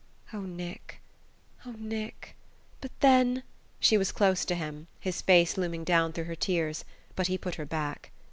"Oh, Nick, oh, Nick... but then...." She was close to him, his face looming down through her tears; but he put her back.